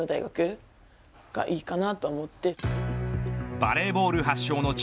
バレーボール発祥の地